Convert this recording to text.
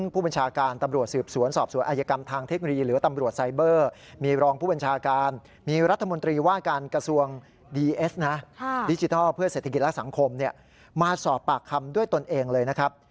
เพื่อเศรษฐกิจและสังคมมาสอบปากคำด้วยตนเองเลยนะครับ